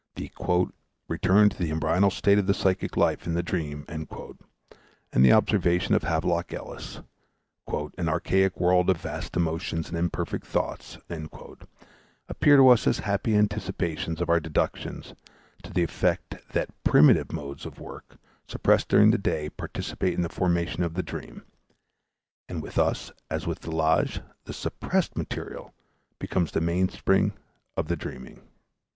The "return to the embryonal state of psychic life in the dream" and the observation of Havelock Ellis, "an archaic world of vast emotions and imperfect thoughts," appear to us as happy anticipations of our deductions to the effect that primitive modes of work suppressed during the day participate in the formation of the dream; and with us, as with Delage, the suppressed material becomes the mainspring of the dreaming.